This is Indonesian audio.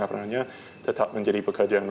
apalagi tetap menjadi pekerjaan